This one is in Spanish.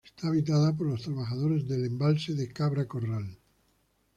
Es habitada por los trabajadores del Embalse de Cabra Corral.